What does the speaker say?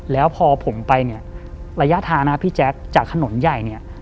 แล้วพอผมไปเนี่ยระยะทางนะพี่แจ๊คจากถนนใหญ่เนี่ย